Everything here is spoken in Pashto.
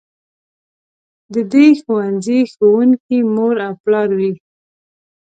د دې ښوونځي ښوونکي مور او پلار وي.